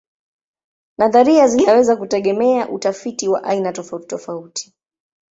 Nadharia zinaweza kutegemea utafiti wa aina tofautitofauti.